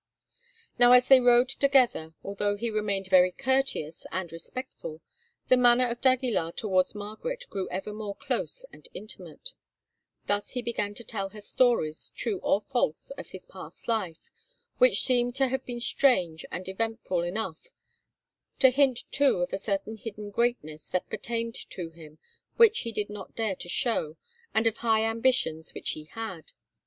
Now, as they rode together, although he remained very courteous and respectful, the manner of d'Aguilar towards Margaret grew ever more close and intimate. Thus he began to tell her stories, true or false, of his past life, which seemed to have been strange and eventful enough; to hint, too, of a certain hidden greatness that pertained to him which he did not dare to show, and of high ambitions which he had.